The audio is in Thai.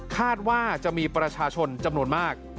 คาดว่าจะมีประชาชนจำนวนมาก